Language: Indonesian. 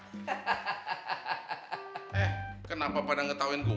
eh kenapa pada ngetahuin gue sih